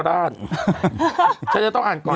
สวัสดีครับคุณผู้ชม